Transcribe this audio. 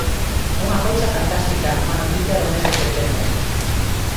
¡Unha cousa fantástica!, ¡unha noticia do mes de setembro!